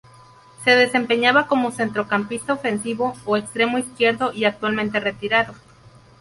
Se desempeñaba como centrocampista ofensivo o extremo izquierdo y actualmente retirado.